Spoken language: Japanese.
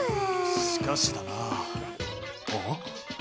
しかしだなああ？